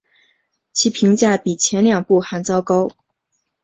其评价比前两部还糟糕。